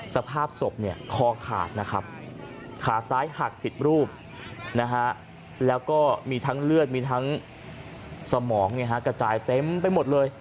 สภาพศพคอขาดนะครับขาซ้ายหักผิดรูปนะฮะแล้วก็มีทั้งเลือดมีทั้งสมองกระจายเต็มไปหมดเลย